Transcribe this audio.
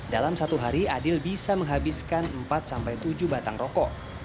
dalam satu hari adil bisa menghabiskan empat sampai tujuh batang rokok